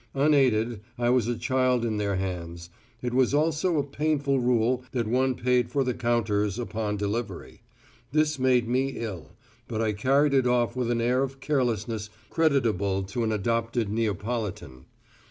Unaided, I was a child in their hands. It was also a painful rule that one paid for the counters upon delivery. This made me ill, but I carried it off with an air of carelessness creditable to an adopted Neapolitan.